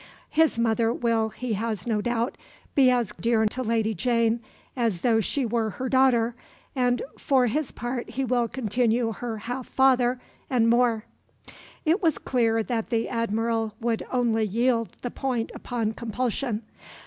His mother will, he has no doubt, be as dear to Lady Jane as though she were her daughter, and for his part he will continue her half father and more. It was clear that the Admiral would only yield the point upon compulsion.